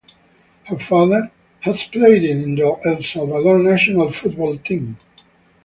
Her father has played in the El Salvador national football team.